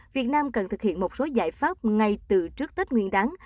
việt nam cần thực hiện một số giải pháp ngay từ trước tết nguyên đáng